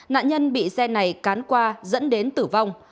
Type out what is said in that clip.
nạn nhân bị xe này cán qua dẫn đến tử vong